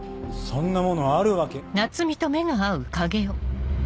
そんなものあるわけ。